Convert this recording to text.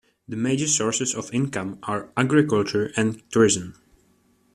The major sources of income are agriculture and tourism.